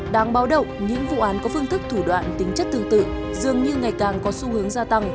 đáng báo động những vụ án có phương thức thủ đoạn tính chất tương tự